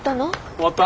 終わった。